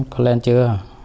có lên chưa